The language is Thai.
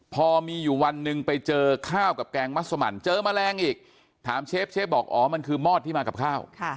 พอมีอยู่วันหนึ่งไปเจอข้าวกับแกงมัสมันเจอแมลงอีกถามเชฟเชฟบอกอ๋อมันคือมอดที่มากับข้าว